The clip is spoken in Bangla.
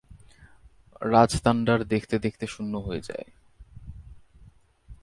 রাজতাণ্ডার দেখতে-দেখতে শূন্য হয়ে যায়।